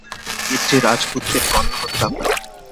এর চেয়ে রাজপুতদের কন্যাহত্যা ভালো।